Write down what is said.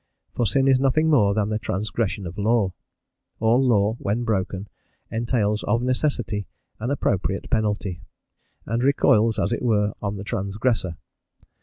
For sin is nothing more than the transgression of law. All law, when broken, entails of necessity an appropriate penalty, and recoils, as it were, on the transgressor.